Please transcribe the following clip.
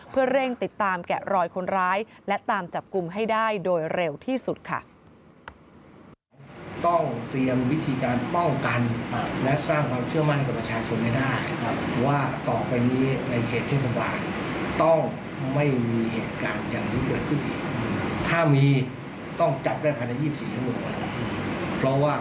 เพื่อเร่งติดตามแกะรอยคนร้ายและตามจับกลุ่มให้ได้โดยเร็วที่สุดค่ะ